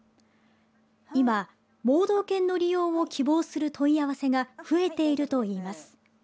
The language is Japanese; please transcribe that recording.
今、盲導犬の利用を希望する問い合わせが増えているといいます。